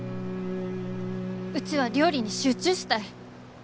うちは料理に集中したい。